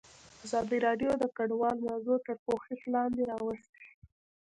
ازادي راډیو د کډوال موضوع تر پوښښ لاندې راوستې.